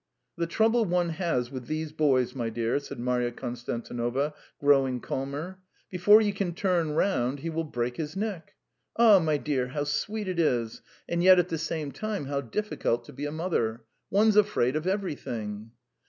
"The trouble one has with these boys, my dear!" said Marya Konstantinovna, growing calmer. "Before you can turn round, he will break his neck. Ah, my dear, how sweet it is, and yet at the same time how difficult, to be a mother! One's afraid of everything."